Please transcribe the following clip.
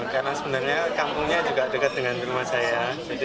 karena sebenarnya kampungnya juga dekat dengan rumah saya